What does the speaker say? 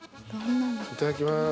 いただきます。